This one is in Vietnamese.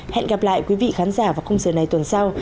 hẹn gặp lại quý vị khán giả vào công sở này tuần sau